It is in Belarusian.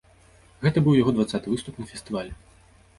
Гэта быў яго дваццаты выступ на фестывалі.